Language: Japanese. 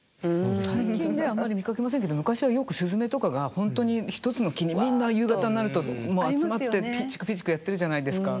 最近ではあんまり見かけませんけど昔はよくスズメとかが本当に１つの木にみんな夕方になると集まってピーチクピーチクやってるじゃないですか。